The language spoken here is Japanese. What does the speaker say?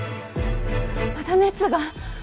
まだ熱が。